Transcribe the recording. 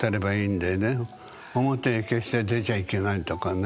表に決して出ちゃいけないとかね。